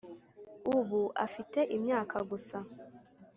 ubu afite imyaka gusa